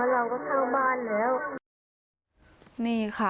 อาบน้ำเป็นจิตเที่ยว